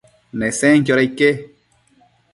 Nesenquioda ique?